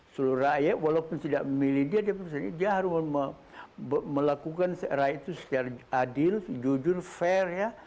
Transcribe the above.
seluruh rakyat walaupun tidak memilih dia dia pilih dia harus melakukan rakyat itu secara adil jujur fair ya